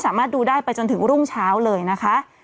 สามารถดูได้ไปจนถึงรุ่งเช้าเลยนะคะ